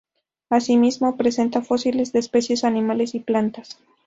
Asimismo, presenta fósiles de especies animales y plantas.